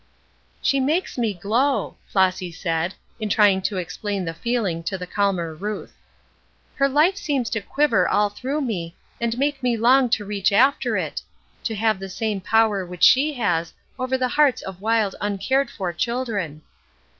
"She makes me glow," Flossy said, in trying to explain the feeling to the calmer Ruth. "Her life seems to quiver all through me, and make me long to reach after it; to have the same power which she has over the hearts of wild uncared for children."